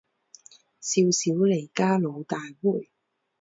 少小离家老大回